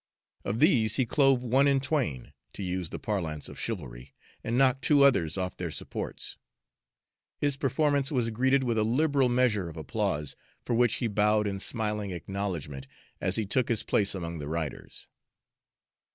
Of these he clove one in twain, to use the parlance of chivalry, and knocked two others off their supports. His performance was greeted with a liberal measure of applause, for which he bowed in smiling acknowledgment as he took his place among the riders.